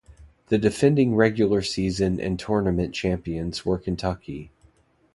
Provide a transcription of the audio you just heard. The defending regular season and tournament champions were Kentucky.